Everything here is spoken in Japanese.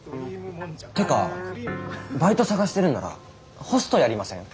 てかバイト探してるんならホストやりません？